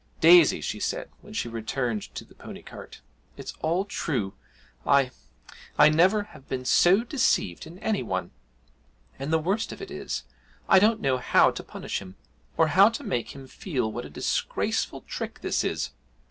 'Daisy,' she said, when she returned to the pony cart, 'it's all true! I I never have been so deceived in any one; and the worst of it is, I don't know how to punish him, or how to make him feel what a disgraceful trick this is.